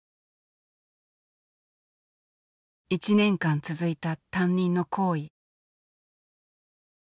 １年間続いた担任の行為。